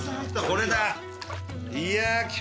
これだ！